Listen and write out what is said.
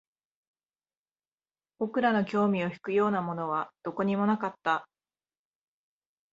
僕らの興味を引くようなものはどこにもなかった